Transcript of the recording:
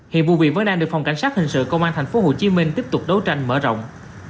hiện vụ việc vẫn đang được phòng cảnh sát hình sự công an tp hcm tiếp tục đấu tranh mở rộng